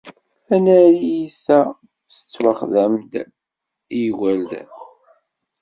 Tanarit-a tettwaxdem-d i yigerdan.